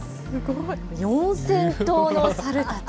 ４０００頭の猿たち。